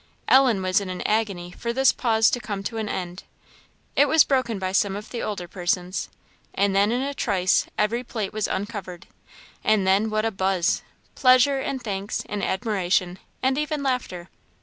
Ellen was in an agony for this pause to come to an end. It was broken by some of the older persons, and then in a trice every plate was uncovered. And then, what a buzz! pleasure, and thanks, and admiration, and even laughter.